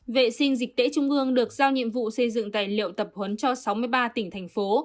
vệ sinh dịch tễ trung ương được giao nhiệm vụ xây dựng tài liệu tập huấn cho sáu mươi ba tỉnh thành phố